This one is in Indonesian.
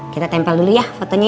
kita tempel dulu ya fotonya